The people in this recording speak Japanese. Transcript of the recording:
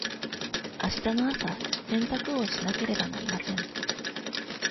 あしたの朝洗濯をしなければなりません。